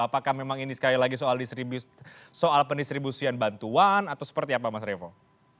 apakah memang ini sekali lagi soal pendistribusian bantuan atau seperti apa mas revo